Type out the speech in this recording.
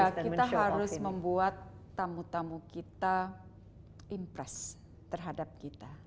ya kita harus membuat tamu tamu kita impress terhadap kita